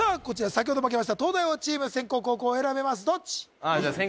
こちら先ほど負けました東大王チーム先攻後攻選べますどっち？